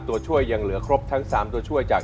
ตัวช่วยยังเหลือครบทั้ง๓ตัวช่วยจาก